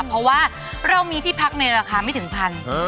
เพราะว่าเรามีที่พักในราคาไม่ถึงพัน